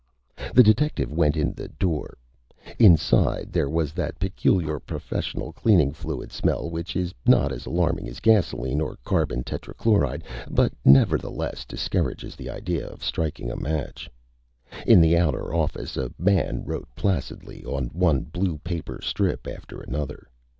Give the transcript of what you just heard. The detective went in the door. Inside there was that peculiar, professional cleaning fluid smell, which is not as alarming as gasoline or carbon tetrachloride, but nevertheless discourages the idea of striking a match. In the outer office a man wrote placidly on one blue paper strip after another.